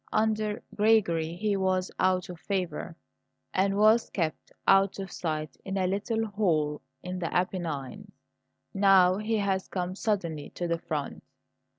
Under Gregory he was out of favour, and was kept out of sight in a little hole in the Apennines. Now he has come suddenly to the front.